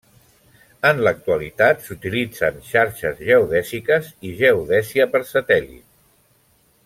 En l'actualitat s'utilitzen xarxes geodèsiques i geodèsia per satèl·lit.